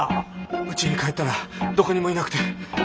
うちに帰ったらどこにもいなくて。